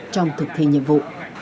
trong thực thi nhiệm vụ